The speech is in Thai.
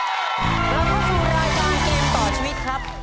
กลับเข้าสู่รายการเกมต่อชีวิตครับ